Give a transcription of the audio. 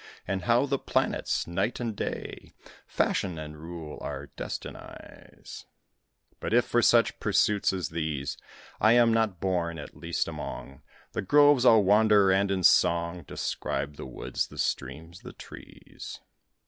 And how the planets, night and day, Fashion and rule our destinies? But if for such pursuits as these I am not born, at least among The groves I'll wander, and in song Describe the woods, the streams, the trees.